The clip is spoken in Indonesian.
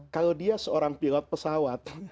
kalau dia seorang pilot pesawat